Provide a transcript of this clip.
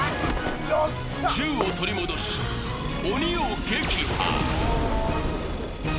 銃を取り戻し、鬼を撃破。